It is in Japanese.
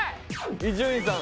伊集院さん